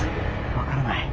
分からない。